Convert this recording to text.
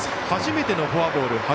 初めてのフォアボール。